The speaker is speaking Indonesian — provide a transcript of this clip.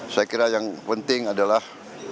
saya kira yang penting adalah